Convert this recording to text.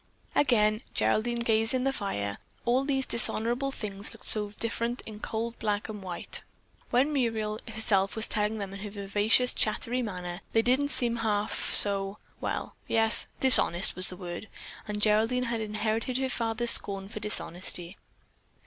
Again Geraldine gazed in the fire. All these dishonorable things looked so different in cold black and white. When Muriel herself was telling them in her vivacious, chattery manner, they didn't seem half so, well, yes, dishonest was the word, and Geraldine had inherited her father's scorn for dishonesty.